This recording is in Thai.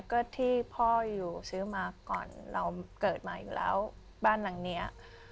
ก็ที่พ่ออยู่ซื้อมาก่อนเราเกิดมาอยู่แล้วบ้านหลังเนี้ย